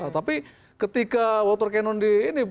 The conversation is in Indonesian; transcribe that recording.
tapi ketika water cannon di ini